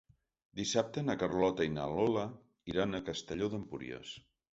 Dissabte na Carlota i na Lola iran a Castelló d'Empúries.